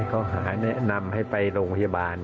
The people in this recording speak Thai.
เขาหาแนะนำให้ไปโรงพยาบาล